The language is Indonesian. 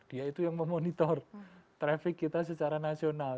dia itu yang memonitor traffic kita secara nasional